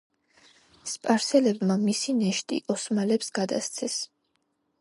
სპარსელებმა მისი ნეშტი ოსმალებს გადასცეს.